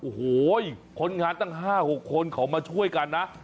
โอ้โหคนงานตั้ง๕๖คนเขามาช่วยกันนะ